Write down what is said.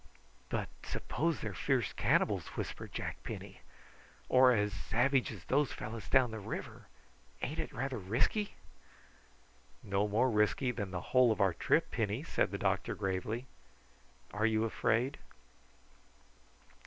"But suppose they're fierce cannibals," whispered Jack Penny, "or as savage as those fellows down by the river? Ain't it rather risky?" "No more risky than the whole of our trip, Penny," said the doctor gravely. "Are you afraid?"